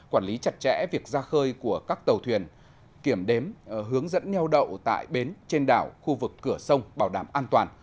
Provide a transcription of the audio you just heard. quản lý chặt chẽ việc ra khơi của các tàu thuyền kiểm đếm hướng dẫn nheo đậu tại bến trên đảo khu vực cửa sông bảo đảm an toàn